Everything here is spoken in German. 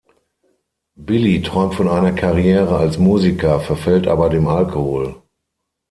Billy träumt von einer Karriere als Musiker, verfällt aber dem Alkohol.